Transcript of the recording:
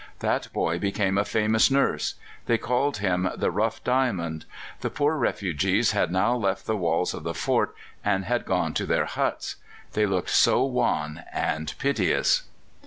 That boy became a famous nurse; they called him the "Rough Diamond." The poor refugees had now left the walls of the fort and had gone to their huts; they looked so wan and piteous.